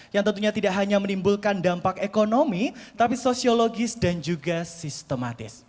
yang tentunya tidak hanya menimbulkan dampak ekonomi tapi sosiologis dan juga sistematis